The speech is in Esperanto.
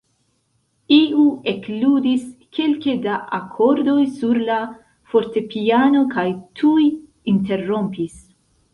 Iu ekludis kelke da akordoj sur la fortepiano kaj tuj interrompis.